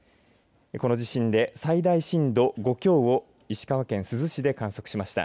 この地震で最大震度５強を石川県珠洲市で観測しました。